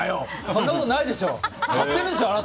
そんなことないでしょ。